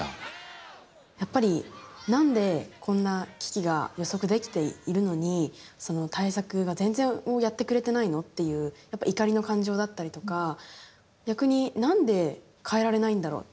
やっぱり何でこんな危機が予測できているのにその対策が全然やってくれてないの？というやっぱ怒りの感情だったりとか逆に何で変えられないんだろう？